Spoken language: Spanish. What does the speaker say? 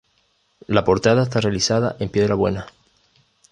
La portada está realizada en piedra buena.